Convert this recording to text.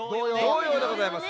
童謡でございます。